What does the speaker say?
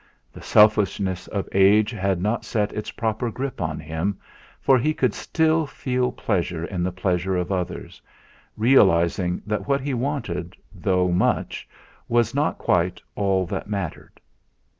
The selfishness of age had not set its proper grip on him, for he could still feel pleasure in the pleasure of others, realising that what he wanted, though much, was not quite all that mattered.